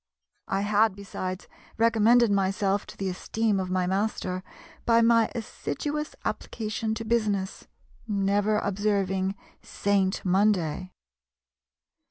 I had, besides, recommended myself to the esteem of my master by my assiduous application to business, never observing 'Saint' Monday.